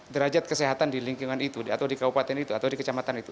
derajat kesehatan di lingkungan itu atau di kabupaten itu atau di kecamatan itu